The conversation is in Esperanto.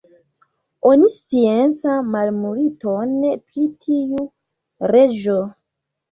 Oni scias malmulton pri tiu reĝo.